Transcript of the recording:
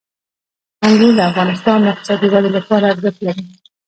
انګور د افغانستان د اقتصادي ودې لپاره ارزښت لري.